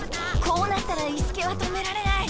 こうなったら伊助は止められない。